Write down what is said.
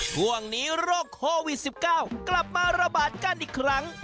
ช่วงนี้โรคโควิด๑๙กลับมาระบาดกันอีกครั้ง